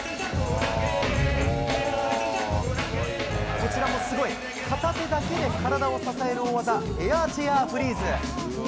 こちらもすごい片手だけで体を支える大技エアーチェアーフリーズ。